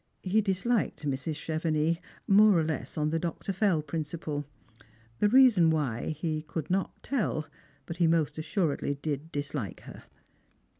He disliked Mr8. Chevenix, more or less on the Dr. Fell principle. The reason why he could not tell, but he most assuredly did dislike her.